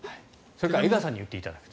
それか江川さんに言っていただく。